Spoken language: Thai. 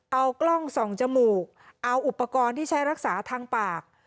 เอากล้องส่องจมูกเอาอุปกรณ์ที่ใช้รักษาทางปาก